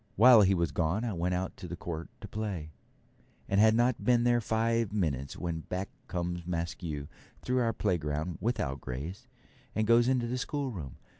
While he was gone I went out to the court to play, and had not been there five minutes when back comes Maskew through our playground without Grace, and goes into the schoolroom.